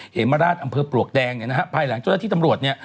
เหมราชอำเภอปลวกแดงภายหลังเจ้าหน้าที่ตำรวจ